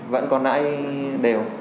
vẫn còn nãy đều